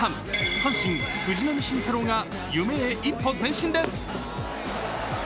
阪神・藤浪晋太郎が夢へ一歩前進です。